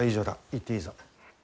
行っていいぞ。